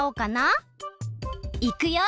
いくよ！